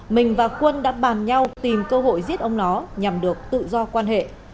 mình và quân đã bàn nhau tìm cơ hội giết ông nó nhằm được tự do quan hệ